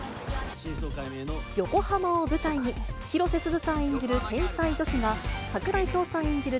横浜を舞台に、広瀬すずさん演じる天才助手が、櫻井翔さん演じる